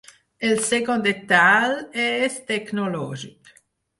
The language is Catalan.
El segon detall és tecnològic.